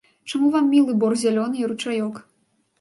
Чаму вам мілы бор зялёны і ручаёк?